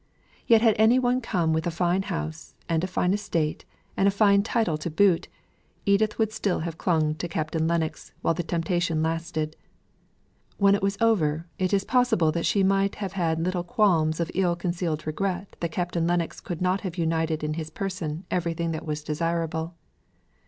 Yet had any one come with a fine house, and a fine estate, and a fine title to boot, Edith would still have clung to Captain Lennox while the temptation lasted; when it was over, it is possible she might have had little qualms of ill concealed regret that Captain Lennox could not have united in his person everything that was desirable.